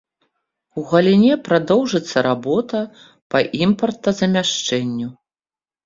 У галіне прадоўжыцца работа па імпартазамяшчэнню.